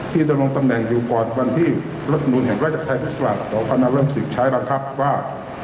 ที่จะลงตำแหน่งอยู่ก่อนวันที่รับหนุนแห่งราชกษัตริย์ไทยภิกษา๒๕๖๐ใช้บังคับว่า